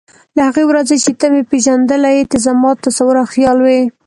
له هغې ورځې چې ته مې پېژندلی یې ته زما تصور او خیال وې.